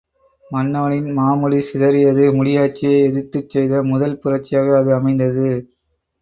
மன்னவனின் மாமுடி சிதறியது முடியாட்சியை எதிர்த்துச் செய்த முதல் புரட்சியாக அது அமைந்தது.